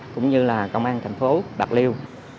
cũng như là công an thành phố bạc liêu